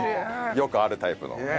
よくあるタイプの。